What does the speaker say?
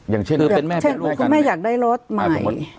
อย่างเช่นคือคุณแม่อยากได้รถใหม่